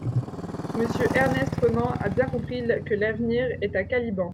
Monsieur Ernest Renan a bien compris que l'avenir est à Caliban.